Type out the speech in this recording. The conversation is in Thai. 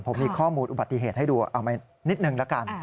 ผมมีข้อมูลอุบัติเหตุให้ดูเอานิดนึงละกัน